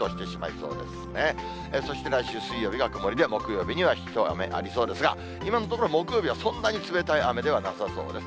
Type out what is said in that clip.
そして来週水曜日が曇りで、木曜日には一雨ありそうですが、今のところ、木曜日はそんなに冷たい雨ではなさそうです。